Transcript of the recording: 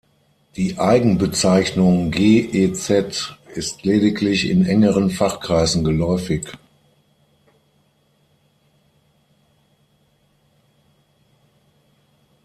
Die Eigenbezeichnung "Ge’ez" ist lediglich in engeren Fachkreisen geläufig.